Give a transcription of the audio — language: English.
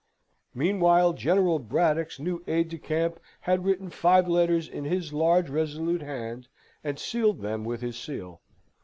Meanwhile, General Braddock's new aide de camp had written five letters in his large resolute hand, and sealed them with his seal.